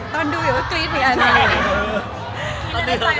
ตอนนี้พี่แอฟยังไงกับทำความความความรับ